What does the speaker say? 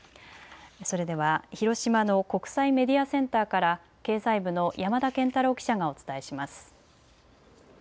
それでは広島の国際メディアセンターから経済部の山田賢太郎記者がお伝えします。